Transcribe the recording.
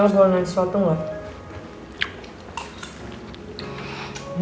kamu mau nanti kita berbincang